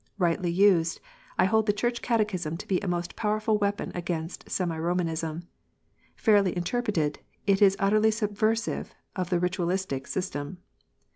Rightly used, I hold the Church Catechism to be a most powerful weapon against semi Romanism. Fairly interpreted, it is utterly subversive of the " Ritualistic " system.